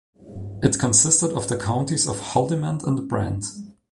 It consisted of the counties of Haldimand and Brant.